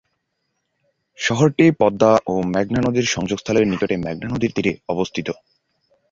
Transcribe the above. শহরটি পদ্মা ও মেঘনা নদীর সংযোগ স্থলের নিকটে মেঘনা নদীর তীরে অবস্থিত।